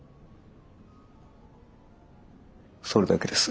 それだけです。